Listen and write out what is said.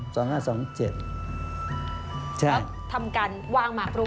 แล้วทำการวางหมากลุกเหรอคะ